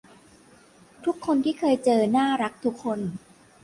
ทุกคนที่เคยเจอน่ารักทุกคน